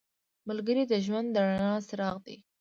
ملګری د ژوند د رڼا څراغ دی